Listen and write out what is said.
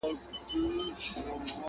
o شل سره خيشتوي، يو لا نه خريي!